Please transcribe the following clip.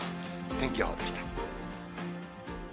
天気予報でした。